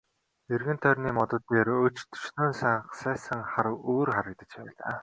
Эргэн тойрны модод дээр өч төчнөөн сагсайсан хар үүр харагдаж байлаа.